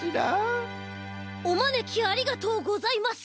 おまねきありがとうございます